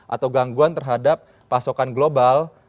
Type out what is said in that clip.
atau gangguan terhadap pasokan global